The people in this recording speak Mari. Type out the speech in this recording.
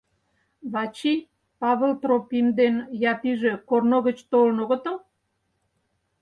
Вачи, Павыл Тропим ден Япиже корно гыч толын огытыл?